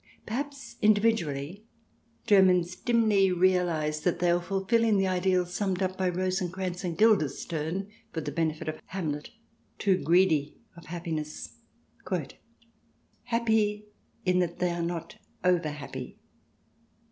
Perhaps, individually, Germans dimly realize that they are fulfilling the ideal summed up by Rosencrantz and Guildenstern for the benefit of Hamlet — Hamlet, too greedy of happiness —" happy in that they are not over happy."